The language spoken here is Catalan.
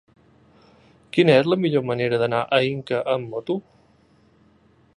Quina és la millor manera d'anar a Inca amb moto?